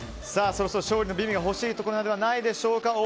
そろそろ勝利の美味が欲しいところではないでしょうか